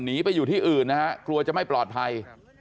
หนีไปอยู่ที่อื่นนะฮะกลัวจะไม่ปลอดภัย